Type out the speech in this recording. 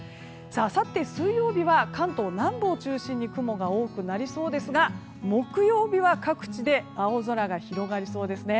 あさって水曜日は関東南部を中心に雲が多くなりそうですが木曜日は各地で青空が広がりそうですね。